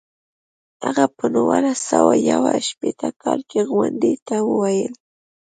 هغه په نولس سوه یو شپیته کال کې غونډې ته وویل.